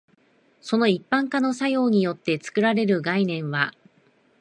その一般化の作用によって作られる概念は、